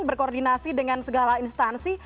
berkoordinasi dengan segala instansi